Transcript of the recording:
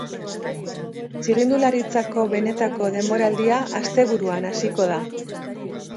Txirrindularitzako benetako denboraldia asteburuan hasiko da.